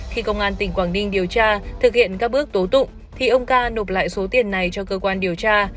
khi công an tỉnh quảng ninh điều tra thực hiện các bước tố tụng thì ông ca nộp lại số tiền này cho cơ quan điều tra